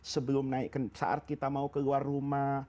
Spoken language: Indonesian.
sebelum naik saat kita mau keluar rumah